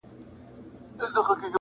چي لومړۍ ورځ مي هگۍ ورته راغلا کړه٫